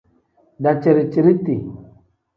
Daciri-ciriti.